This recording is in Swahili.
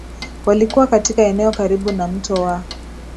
walikuwa katika eneo karibu na mto wa